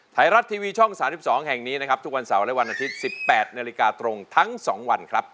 ไทยรัฐทีวีช่อง๓๒แห่งนี้นะครับทุกวันเสาร์และวันอาทิตย์๑๘นาฬิกาตรงทั้ง๒วันครับ